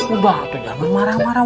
udah jangan marah marah